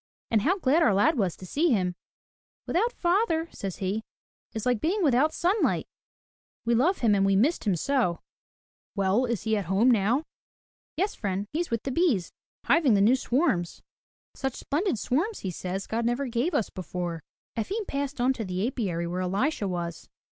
And how glad our lad was to see him. *With out father,* says he, *is like being without sunlight.' We love him and we missed him so." 170 FROM THE TOWER WINDOW "Well, is he at home now?'' "Yes, friend, he's with the bees, hiving the new swarms. Such splendid swarms, he says, God never gave us before." Efim passed on to the apiary where Elisha was.